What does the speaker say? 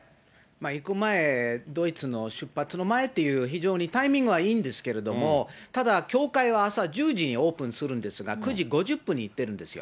行く前、ドイツの出発の前っていう、非常にタイミングはいいんですけれども、ただ、教会は朝１０時にオープンするんですが、９時５０分に行ってるんですよ。